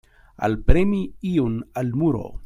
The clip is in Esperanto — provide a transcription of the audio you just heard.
Alpremi iun al muro.